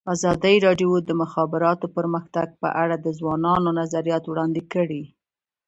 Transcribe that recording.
ازادي راډیو د د مخابراتو پرمختګ په اړه د ځوانانو نظریات وړاندې کړي.